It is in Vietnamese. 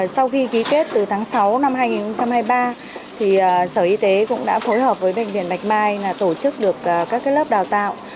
sau khi ký kết từ tháng sáu năm hai nghìn hai mươi ba sở y tế cũng đã phối hợp với bệnh viện bạch mai tổ chức được các lớp đào tạo